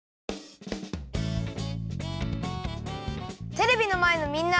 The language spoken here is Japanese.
テレビのまえのみんな！